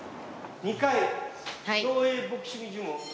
２階協栄ボクシングジム。